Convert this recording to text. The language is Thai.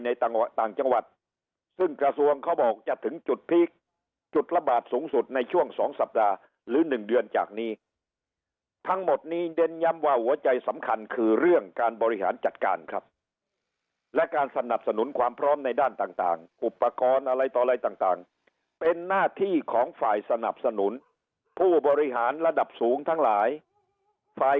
ต่างจังหวัดซึ่งกระทรวงเขาบอกจะถึงจุดพีคจุดระบาดสูงสุดในช่วงสองสัปดาห์หรือ๑เดือนจากนี้ทั้งหมดนี้เน้นย้ำว่าหัวใจสำคัญคือเรื่องการบริหารจัดการครับและการสนับสนุนความพร้อมในด้านต่างอุปกรณ์อะไรต่ออะไรต่างเป็นหน้าที่ของฝ่ายสนับสนุนผู้บริหารระดับสูงทั้งหลายฝ่าย